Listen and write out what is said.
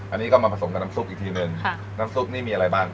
อันนี้ก็มาผสมกับน้ำซุปอีกทีหนึ่งน้ำซุปนี่มีอะไรบ้าง